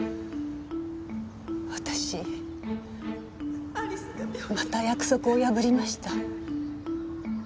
私また約束を破りました。